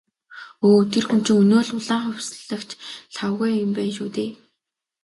Өө тэр хүн чинь өнөө л «улаан хувьсгалч» Лхагва юм байна шүү дээ.